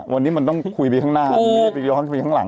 วันนี้มันต้องคุยไปข้างหน้าไปย้อนคุยข้างหลัง